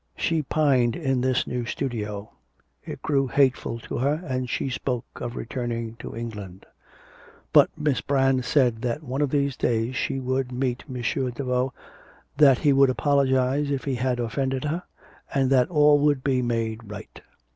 She pined in this new studio; it grew hateful to her, and she spoke of returning to England. But Miss Brand said that one of these days she would meet M. Daveau; that he would apologise if he had offended her, and that all would be made right.